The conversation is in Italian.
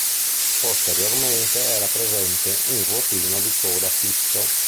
Posteriormente era presente un ruotino di coda fisso.